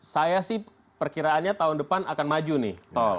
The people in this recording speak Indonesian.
saya sih perkiraannya tahun depan akan maju nih